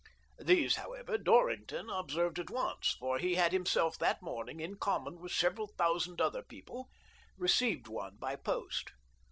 These, however, Dorrington observed at once, for he had himself that morning, in common with several thousand other people, received one by post.